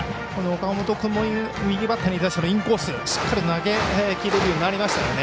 岡本君も右バッターに対してのインコースしっかり投げきれるようになりましたね。